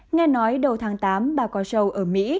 nghe nói đầu tháng tám bà con show ở mỹ